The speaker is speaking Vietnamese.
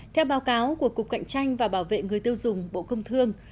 theo báo cáo của cục cạnh tranh và bảo vệ người tiêu dùng bộ công thương